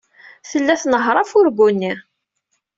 Tella tnehheṛ afurgu-nni.